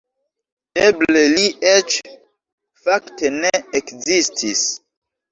Eble li eĉ fakte ne ekzistis.